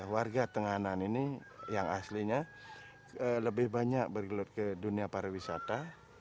warga tenganan ini yang aslinya lebih banyak bergelut ke dunia pariwisata